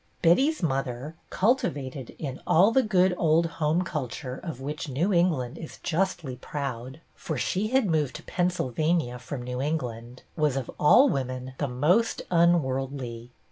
Betty's mother, cultivated in all the good old home culture of which New England is 268 BETTY BAIRD justly proud (for she had moved to Pennsyl vania from New England), was of all women the most unworldly.